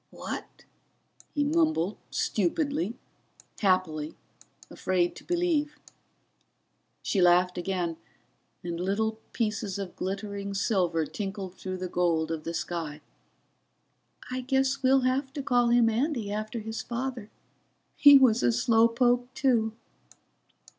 "What ?" he mumbled, stupidly, happily, afraid to believe. She laughed again, and little pieces of glittering silver tinkled through the gold of the sky. "I guess we'll have to call him Andy, after his father. He was a slow poke too."